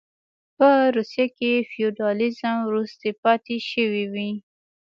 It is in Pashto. په روسیه کې فیوډالېزم وروستۍ پاتې شوې وې.